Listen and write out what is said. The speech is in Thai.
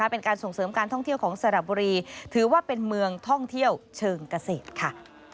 เป็นการส่งเสริมการท่องเที่ยวของสระบุรีถือว่าเป็นเมืองท่องเที่ยวเชิงเกษตรค่ะ